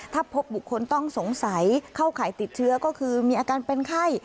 ถ้าพบบุคคลต้องสงสัยเข้าข่ายติดเชื้อก็คือมีอาการเป็นไข้